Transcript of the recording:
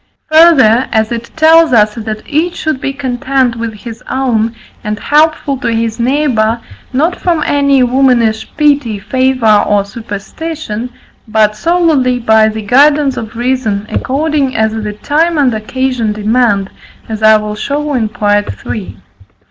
Further, as it tells us that each should be content with his own, and helpful to his neighbour, not from any womanish pity, favour, or superstition, but solely by the guidance of reason, according as the time and occasion demand, as I will show in Part III. 4.